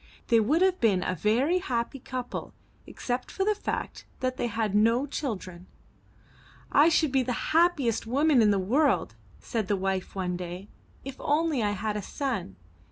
They would have been a very happy couple except for the fact that they had no children. 'T should be the happiest woman in the world," said the wife one day, ''if only I had a son.